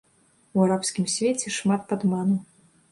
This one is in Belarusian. У арабскім свеце шмат падману.